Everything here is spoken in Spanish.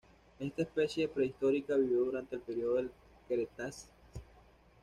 Esta especie prehistórica vivió durante el período del Cretácico.